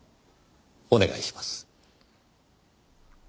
お願いします。